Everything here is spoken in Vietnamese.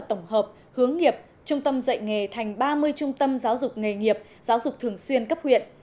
tổng hợp hướng nghiệp trung tâm dạy nghề thành ba mươi trung tâm giáo dục nghề nghiệp giáo dục thường xuyên cấp huyện